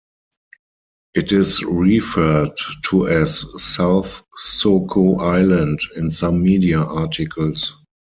It is referred to as South Soko Island in some media articles.